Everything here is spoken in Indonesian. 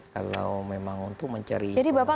kalau memang untuk mencari jadi bapak